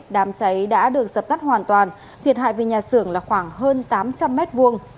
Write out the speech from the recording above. đám cháy đã được sập tắt hoàn toàn thiệt hại về nhà xưởng là khoảng hơn tám trăm linh mét vuông